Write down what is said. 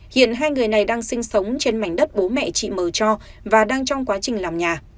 hiện hai người này đang sinh sống trên mảnh đất bố mẹ chị mờ cho và đang trong quá trình làm nhà